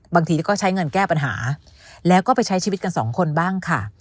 บางทีก็ใช้เงินแก้ปัญหาแล้วก็ไปใช้ชีวิตกันสองคนบ้างค่ะ